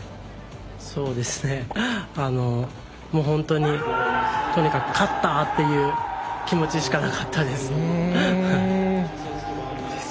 もう本当にとにかく勝ったという気持ちしかなかったです。